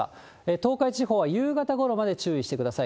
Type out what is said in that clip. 東海地方は夕方ごろまで注意してください。